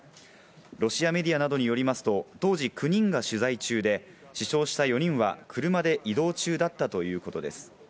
ロシアメディアなどによりますと、当時９人が取材中で、死傷した４人は車で移動中だったということです。